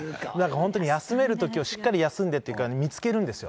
本当に休めるときはしっかり休んでというか、見つけるんですよ。